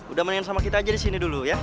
udah mending sama kita aja disini dulu ya